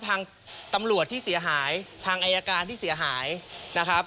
ทางตำรวจที่เสียหายทางอายการที่เสียหายนะครับ